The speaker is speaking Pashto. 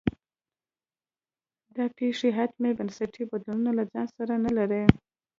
دا پېښې حتمي بنسټي بدلونونه له ځان سره نه لري.